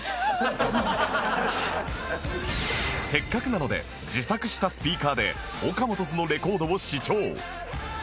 せっかくなので自作したスピーカーで ＯＫＡＭＯＴＯ’Ｓ のレコードを試聴